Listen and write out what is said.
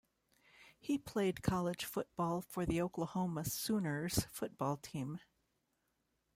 He played college football for the Oklahoma Sooners football team.